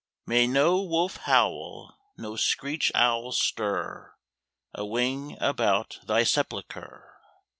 May no wolfe howle; no screech owle stir A wing about thy sepulchre!